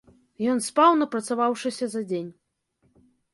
Ён спаў, напрацаваўшыся за дзень.